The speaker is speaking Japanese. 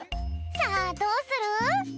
さあどうする？